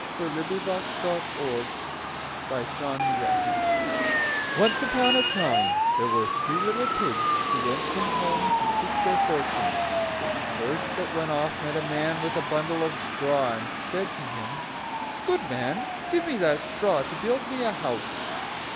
6s.).] Once upon a time there were three little pigs, who went from home to seek their fortune. The first that went off met a man with a bundle of straw, and said to him: "Good man, give me that straw to build me a house."